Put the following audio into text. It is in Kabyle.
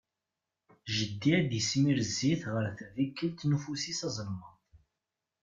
Jeddi ad d-ismir zzit ɣer tdikelt n ufus-is azelmaḍ.